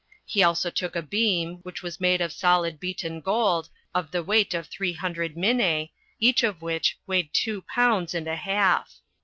He also took a beam, which was made of solid beaten gold, of the weight of three hundred minae, each of which weighed two pounds and a half.